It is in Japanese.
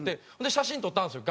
写真撮ったんですよ